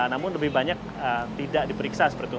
namun lebih banyak tidak diperiksa seperti itu